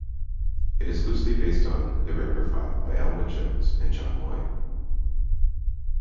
It is loosely based on "The Ripper File" by Elwyn Jones and John Lloyd.